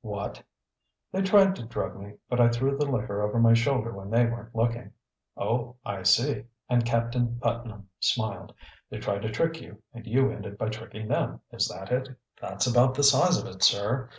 "What!" "They tried to drug me, but I threw the liquor over my shoulder when they weren't looking." "Oh, I see," and Captain Putnam smiled. "They tried to trick you and you ended by tricking them, is that it?" "That's about the size of it, sir.